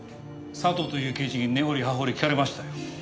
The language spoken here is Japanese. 佐藤という刑事に根掘り葉掘り聞かれましたよ。